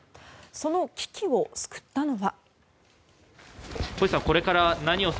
その危機を救ったのは。